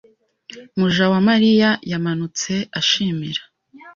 Mujawamariya yamanutse ashimira.